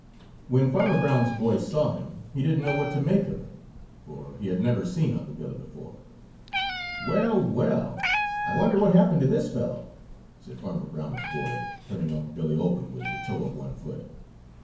When Farmer Brown's boy saw him, he didn't know what to make of him, for he had never seen Unc' Billy before. "Well, well, I wonder what happened to this fellow," said Farmer Brown's boy, turning Unc' Billy over with the toe of one foot.